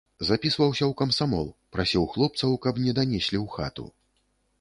Запісваўся ў камсамол, прасіў хлопцаў, каб не данеслі ў хату.